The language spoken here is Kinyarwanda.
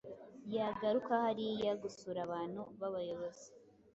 Yagaruka hariya gusura abantu babayobozi